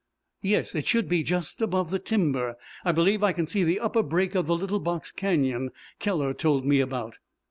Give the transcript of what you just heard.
"Yes. It should be just above the timber. I believe I can see the upper break of the little box canyon Keller told me about."